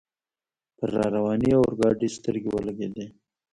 پر را روانې اورګاډي سترګې ولګېدې.